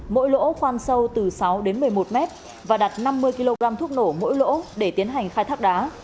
mỗi lỗ khoan sâu từ sáu đến một mươi một mét và đặt năm mươi kg thuốc nổ mỗi lỗ để tiến hành khai thác đá